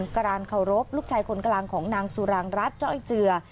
การเคารพลูกชายคนกลางของนางสุรางรัฐจ้อยเจือ